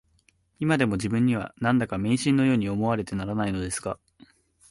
いまでも自分には、何だか迷信のように思われてならないのですが